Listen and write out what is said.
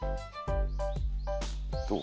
どう？